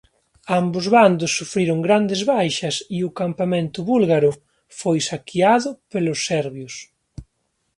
Ambos bandos sufriron grandes baixas e o campamento búlgaro foi saqueado polos serbios.